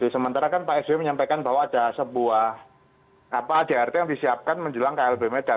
sementara kan pak sby menyampaikan bahwa ada sebuah adrt yang disiapkan menjelang klb medan